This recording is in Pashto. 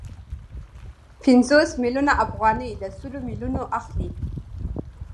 پنځوس میلیونه افغانۍ له سلو میلیونو اخلي